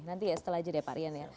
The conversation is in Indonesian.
nanti ya setelah aja deh pak rian ya